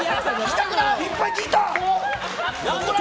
いっぱい聞いた！